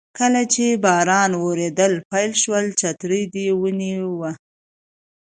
کله چې باران وریدل پیل شول چترۍ دې ونیوه.